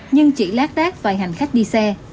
nhưng chỉ lát đát vài hành khách đi xe